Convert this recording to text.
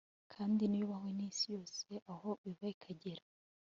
kandi niyubahwe n'isi yose aho iva ikagera